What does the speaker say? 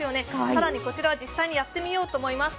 更にこちらは実際にやってみようと思います。